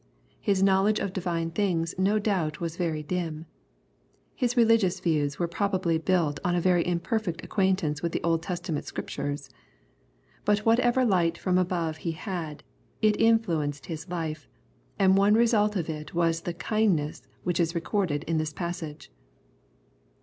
His knowledge of divine thipgs no doubt was very dim. His religious views were probably built on a very imperfect acquaintance with the Old Testament Scriptures. But whatever light from above he had, it influenced his life, and one result of it was the kindness which is recorded in this passage.